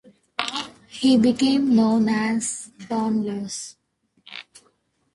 He became known as Don Luis.